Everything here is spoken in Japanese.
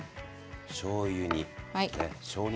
しょうゆ２。